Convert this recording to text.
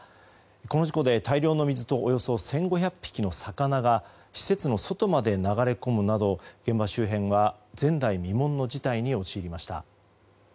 この事故で大量の水とおよそ１５００匹の魚が施設の外までなだれ込むなど現場周辺は前代未聞の事態に陥りました。